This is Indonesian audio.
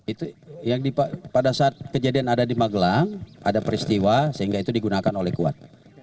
itu pada saat kejadian ada di magelang ada peristiwa sehingga itu digunakan oleh kuat